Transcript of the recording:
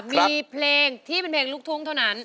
มีเพลงที่เป็นเพลงลูกทุ่งเท่านั้น